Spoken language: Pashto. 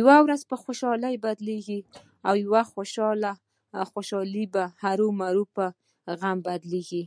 یوه ورځ په خوشحالۍ بدلېږي او خوشحالي به هرومرو یوه ورځ په غم بدلېږې.